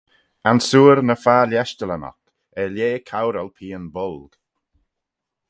Ansoor ny far-leshtalyn oc, er lheh couyral pian-bolg.